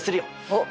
おっ！